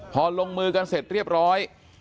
พอลงมือกันเสร็จเรียบร้อย